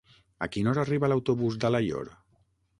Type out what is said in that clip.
A quina hora arriba l'autobús d'Alaior?